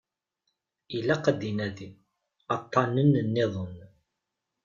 Ilaq ad inadi aṭṭanen nniḍen.